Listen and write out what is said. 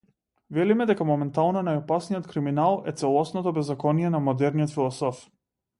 Велиме дека моментално најопасниот криминал е целосното беззаконие на модерниот философ.